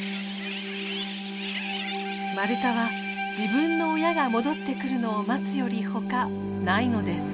マルタは自分の親が戻ってくるのを待つよりほかないのです。